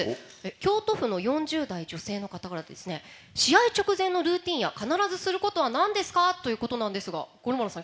京都府の４０代女性の方から試合直前のルーティンや必ずすることはなんですか？ということなんですが五郎丸さん